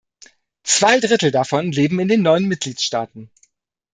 Zwei Drittel davon leben in den neuen Mitgliedstaaten.